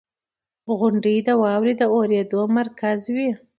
• غونډۍ د واورې د اورېدو مرکز وي.